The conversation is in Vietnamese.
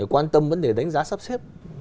quan tâm vấn đề đánh giá sắp xếp